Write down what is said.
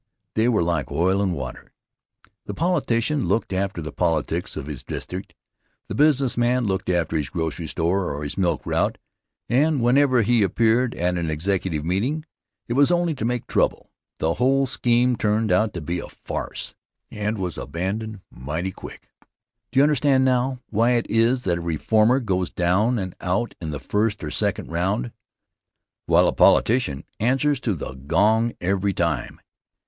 They were like oil and water. The politician looked after the politics of his district; the business man looked after his grocery store or his milk route, and whenever he appeared at an executive meeting, it was only to make trouble. The whole scheme turned out to be a farce and was abandoned mighty quick. Do you understand now, why it is that a reformer goes down and out in the first or second round, while a politician answers to the gong every time?